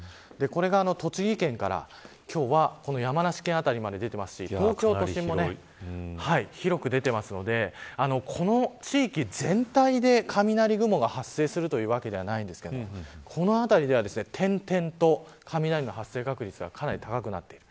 これが栃木県から、今日は山梨県辺りに出ていますし東京都心も広く出ているのでこの地域全体で雷雲が発生するというわけではないんですがこの辺りでは、点々と雷の発生確率がかなり高くなっている。